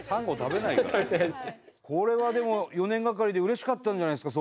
これはでも４年がかりでうれしかったんじゃないですか？